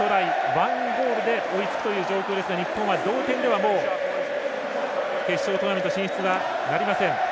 １ゴールで追いつくという状況ですが日本は同点では、もう決勝トーナメント進出はなりません。